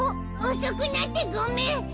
遅くなってごめん！